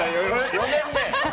４年目。